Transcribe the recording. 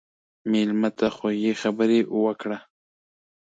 مېلمه ته خوږې خبرې وکړه.